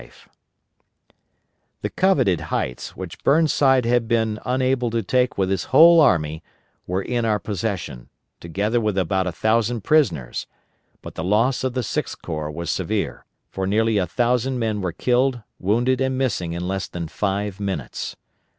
] The coveted heights, which Burnside had been unable to take with his whole army, were in our possession, together with about a thousand prisoners; but the loss of the Sixth Corps was severe, for nearly a thousand men were killed, wounded, and missing in less than five minutes.